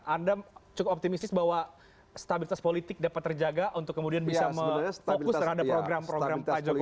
anda cukup optimistis bahwa stabilitas politik dapat terjaga untuk kemudian bisa fokus terhadap program program pak jokowi